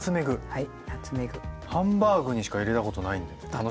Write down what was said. はい。